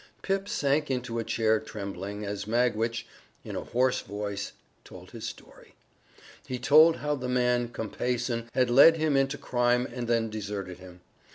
Pip sank into a chair trembling as Magwitch, in a hoarse voice, told his story. He told how the man Compeyson had led him into crime and then deserted him.